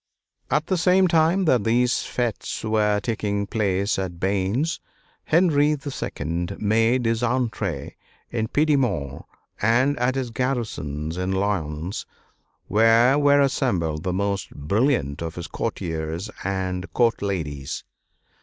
At the same time that these fêtes were taking place at Bains, Henry II. made his entrée in Piedmont and at his garrisons in Lyons, where were assembled the most brilliant of his courtiers and court ladies.